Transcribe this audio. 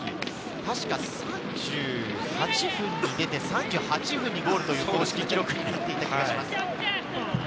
確か３８分に出て、３８分にゴールという公式記録になっていた気がします。